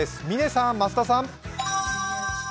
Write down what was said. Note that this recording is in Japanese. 嶺さん、増田さん。